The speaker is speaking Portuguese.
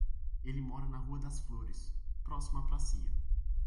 Ele morava na Rua das Flores, próximo à pracinha.